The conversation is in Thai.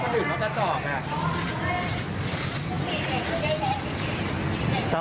หนูขนาดนี้เหรอครับ